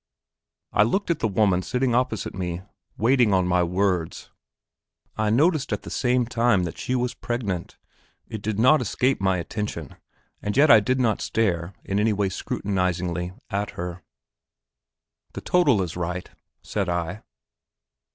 I looked at the woman sitting opposite me, waiting on my words. I noticed at the same time that she was pregnant; it did not escape my attention, and yet I did not stare in any way scrutinizingly at her. "The total is right," said I.